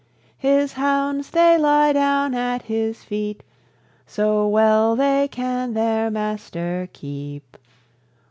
"His hounds they lie downe at his feete, So well they can their master keepe.